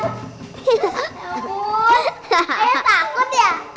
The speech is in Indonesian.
ayah takut ya